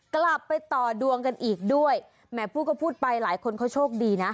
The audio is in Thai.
กลับไปต่อดวงกันอีกด้วยแหมพูดก็พูดไปหลายคนเขาโชคดีนะ